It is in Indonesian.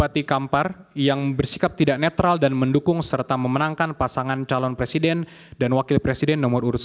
dan penduduk ppr yang diperhatikan sebagai penduduk yang tidak netral dan mendukung serta memenangkan pasangan calon presiden dan wakil presiden nomor dua puluh satu